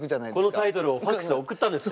このタイトルをファックスで送ったんですね。